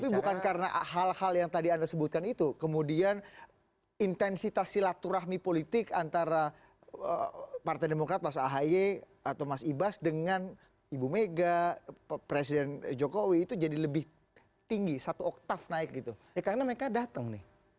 tapi bukan karena hal hal yang tadi anda sebutkan itu kemudian intensitas silaturahmi politik antara partai demokrat pak ahaye atau mas ibas dengan ibu mega presiden jokowi itu jadi lebih tinggi satu oktav naik gitu ya karena mereka datang nih datang pada saat hari kita baru landing nih dari singapura